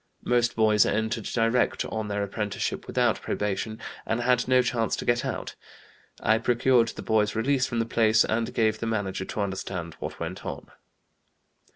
Most boys entered direct on their apprenticeship without probation, and had no chance to get out. I procured the boy's release from the place and gave the manager to understand what went on."